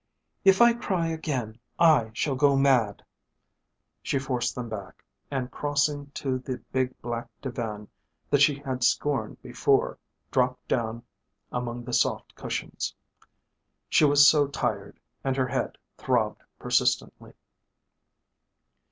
"If I cry again I shall go mad." She forced them back, and crossing to the big black divan that she had scorned before dropped down among the soft cushions. She was so tired, and her head throbbed persistently.